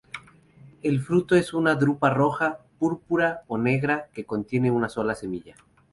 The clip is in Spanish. El fruto es una drupa roja, púrpura o negra que contiene una sola semilla.